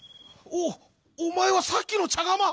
おおまえはさっきのちゃがま！」。